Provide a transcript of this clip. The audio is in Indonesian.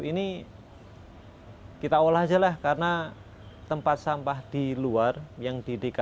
ini kita olah aja lah karena tempat sampah di luar yang didatangkan